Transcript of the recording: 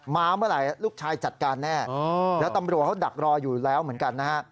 มาเมื่อไหร่ลูกชายจัดการแน่แล้วตำรวจเขาดักรออยู่แล้วเหมือนกันนะฮะ